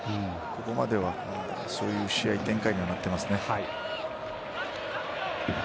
ここまではそういう試合展開になっていますね。